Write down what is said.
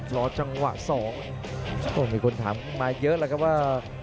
รอจังหวะสองโอ้มีคนถามมาเยอะแล้วครับว่า